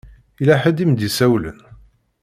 Yella ḥedd i m-d-isawlen?